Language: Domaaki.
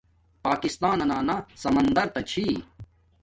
پاکستانانا سمندو تا چھی